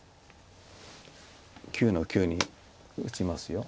９の九に打ちます。